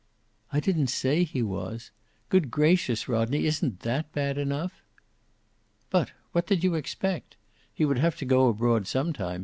"I didn't say he was. Good gracious, Rodney, isn't that bad enough?" "But what did you expect? He would have to go abroad some time.